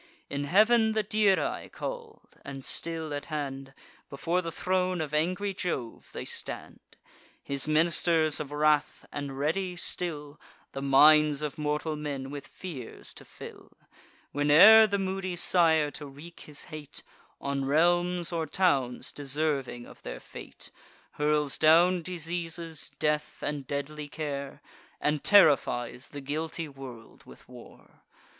In heav'n the Dirae call'd, and still at hand, Before the throne of angry Jove they stand, His ministers of wrath, and ready still The minds of mortal men with fears to fill, Whene'er the moody sire, to wreak his hate On realms or towns deserving of their fate, Hurls down diseases, death and deadly care, And terrifies the guilty world with war.